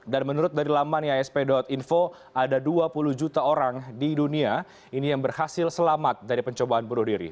dan menurut dari laman iasp info ada dua puluh juta orang di dunia ini yang berhasil selamat dari pencobaan bunuh diri